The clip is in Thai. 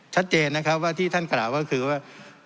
ชัดเจนนะครับว่าที่ท่านกล่าวก็คือว่า